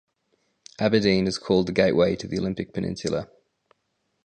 Aberdeen is called the "Gateway to the Olympic Peninsula".